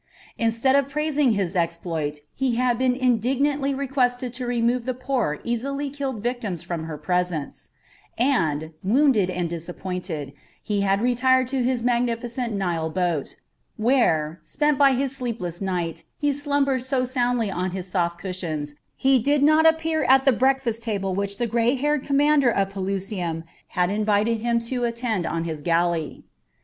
Instead of praising his exploit, he had been indignantly requested to remove the poor, easily killed victims from her presence; and, wounded and disappointed, he had retired to his magnificent Nile boat, where, spent by his sleepless night, he slumbered so soundly on his soft cushions that he did not appear at the breakfast which the gray haired commander of Pelusium had invited him to attend on his galley.